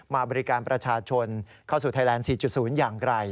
บริการประชาชนเข้าสู่ไทยแลนด์๔๐อย่างไร